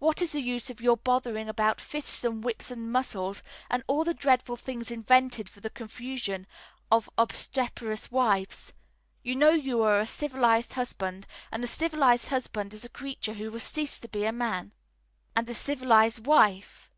What is the use of your bothering about fists and whips and muscles and all the dreadful things invented for the confusion of obstreperous wives? You know you are a civilised husband, and a civilised husband is a creature who has ceased to be a man. "And a civilised wife?"